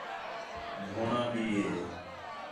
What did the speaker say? ڈھوڑا بھی ہے